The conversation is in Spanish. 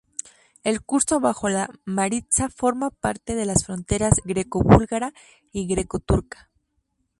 El curso bajo del Maritsa forma parte de las fronteras greco-búlgara y greco-turca.